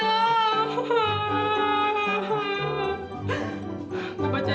aduh tapi kok kebelet